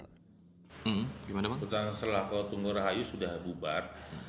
kesultanan selako tunggur rahayu sudah bubar